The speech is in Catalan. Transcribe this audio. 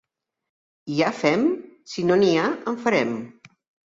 Hi ha fem? —Si no n'hi ha, en farem.